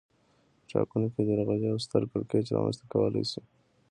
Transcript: په ټاکنو کې درغلي یو ستر کړکېچ رامنځته کولای شي